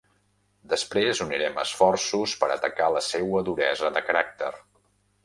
Després unirem esforços per atacar la seua duresa de caràcter.